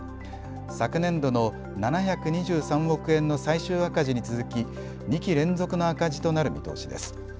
昨年度の７２３億円の最終赤字に続き２期連続の赤字となる見通しです。